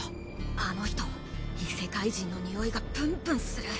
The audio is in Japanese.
あの人異世界人のニオイがプンプンする！